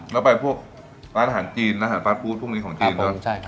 แล้วไปพวกร้านอาหารจีนร้านฟาสพูดพวกนี้ของจีนเนอะ